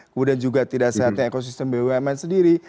kemudian juga tidak sehatnya ekosistem bumn sendiri